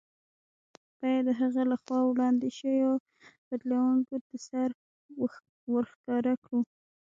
باید د هغه له خوا وړاندې شویو بدلوونکو ته سر ورښکاره کړو.